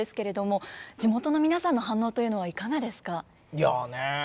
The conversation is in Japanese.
いやねえ。